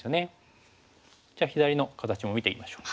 じゃあ左の形も見ていきましょう。